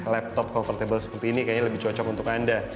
laptop comfortable seperti ini kayaknya lebih cocok untuk anda